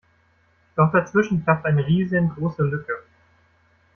Doch dazwischen klafft eine riesengroße Lücke.